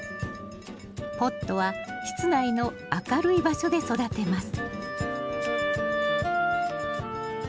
ポットは室内の明るい場所で育てます